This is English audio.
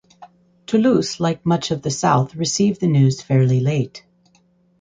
Toulouse like much of the south received the news fairly late.